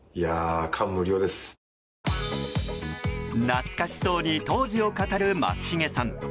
懐かしそうに当時を語る松重さん。